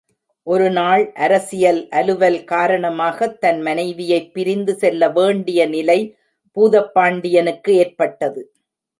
ஒருநாள், அரசியல் அலுவல் காரணமாகத் தன் மனைவியைப் பிரிந்து செல்ல வேண்டிய நிலை பூதப் பாண்டியனுக்கு ஏற்பட்டது.